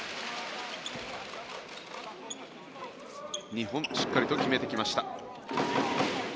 ２本しっかりと決めてきました。